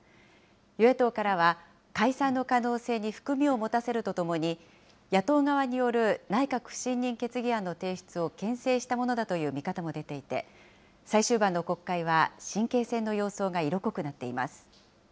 与野党からは、解散の可能性に含みを持たせるとともに、野党側による内閣不信任決議案の提出をけん制したものだという見方も出ていて、最終盤の国会は神経戦の様相が色濃くなっています。